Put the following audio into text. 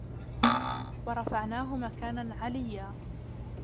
ورفعناه مكانا عليا